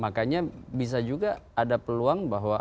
makanya bisa juga ada peluang bahwa